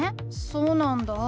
そうなんだ。